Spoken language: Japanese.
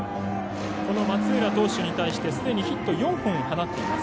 松浦投手に対して、すでにヒット４本放っています。